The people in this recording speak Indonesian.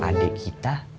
kalau adik kita